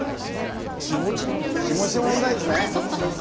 気持ちの問題ですね。